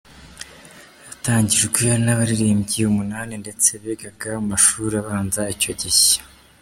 yatangijwe n’abaririmbyi umunani ndetse bigaga mu mashuri abanza icyo gihe.